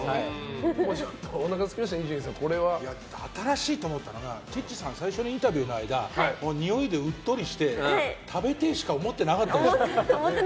おなか空きましたね新しいと思ったのがチッチさんがインタビューの間においでうっとりして食べてえしか思ってなかったでしょ。